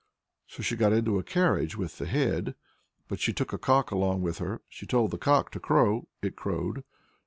So she got into a carriage with the Head, but she took a cock along with her. She told the cock to crow; it crowed.